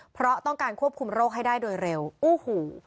เพราะต้องการควบคุมโรคให้ได้โดยเร็วโอ้โห